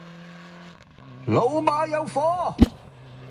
老馬有火